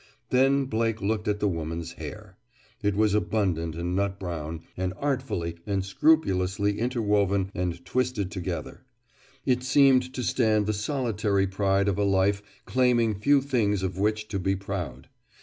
Then Blake looked at the woman's hair. It was abundant and nut brown, and artfully and scrupulously interwoven and twisted together. It seemed to stand the solitary pride of a life claiming few things of which to be proud.